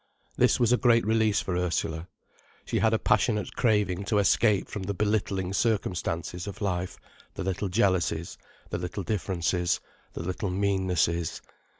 This was a great release for Ursula. She had a passionate craving to escape from the belittling circumstances of life, the little jealousies, the little differences, the little meannesses.